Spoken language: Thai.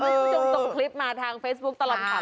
จงตรงคลิปมาทางเฟซบุ๊คตลอดความ